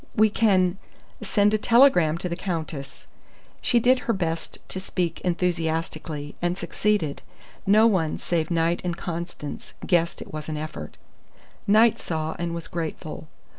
"We can send a telegram to the Countess." She did her best to speak enthusiastically, and succeeded. No one save Knight and Constance guessed it was an effort. Knight saw, and was grateful.